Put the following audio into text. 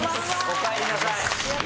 おかえりなさい！